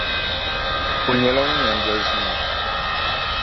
O nyɛla ŋun yɛn dolsi ma.